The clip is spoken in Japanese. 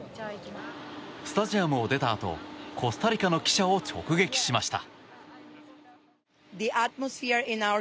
スタジアムを出たあとコスタリカの記者を直撃しました。